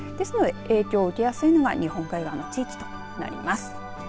影響を受けやすいのが日本海側の地域となります。